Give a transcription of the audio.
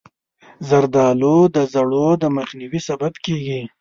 زردالو د زړو د مخنیوي سبب کېږي.